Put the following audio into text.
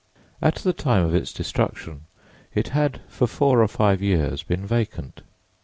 At the time of its destruction, it had for four or five years been vacant.